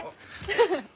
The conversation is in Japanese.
フフフ。